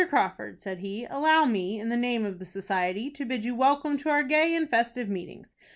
Crawford," said he, "allow me, in the name of the society, to bid you welcome to our gay and festive meetings.